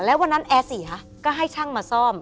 แล้ววันนั้นแอร์เสียก็ให้ช่างมาซ่อม